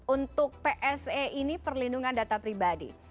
untuk pse ini perlindungan data pribadi